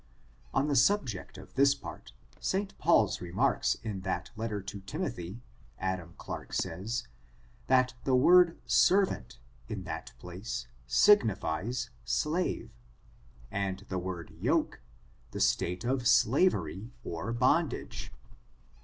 On the subject of this part^ St Paul's remarks in that letter to Timothy, Adam Clarke says, that the word servant^ in that place, signifies slavCy and the word yoke, the state of slavery or bondage.